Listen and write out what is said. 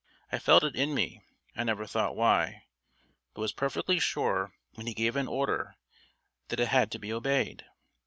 I felt it in me, I never thought why, but was perfectly sure when he gave an order that it had to be obeyed.